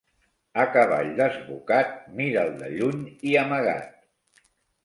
A cavall desbocat, mira'l de lluny i amagat